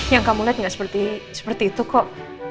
yang kamu lihat nggak seperti itu kok